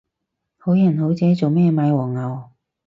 好人好姐做咩買黃牛